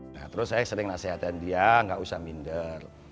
nah terus saya sering nasihatkan dia gak usah minder